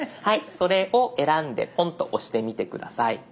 それを選んでポンと押してみて下さい。